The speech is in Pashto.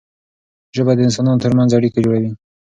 ژبه د انسانانو ترمنځ اړیکه جوړوي.